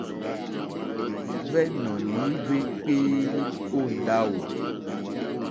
Hwɛ́nɔ̀ní hwékpéélì ó ndáwò.